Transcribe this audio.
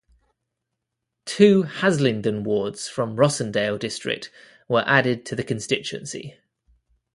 Two Haslingden wards from Rossendale district were added to the constituency.